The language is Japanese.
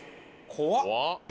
怖っ